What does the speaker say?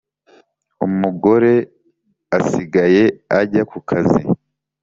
umugore asigaye ajya ku kazi